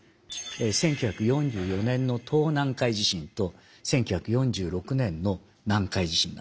１９４４年の東南海地震と１９４６年の南海地震なんです。